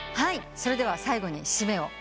それでは最後に締めを。